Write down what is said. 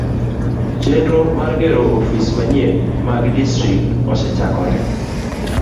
Chenro mar gero ofis manyien mag distrikt osechakore.